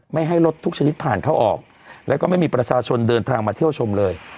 ไม่ให้รถทุกชนิดผ่านเข้าออกแล้วก็ไม่มีประชาชนเดินทางมาเที่ยวชมเลย